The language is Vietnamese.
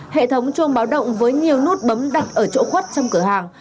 hệ thống chuông báo động với nhiều nút bấm đặt ở chỗ khuất trong cửa hàng